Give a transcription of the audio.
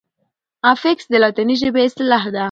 افکس د لاتیني ژبي اصطلاح ده.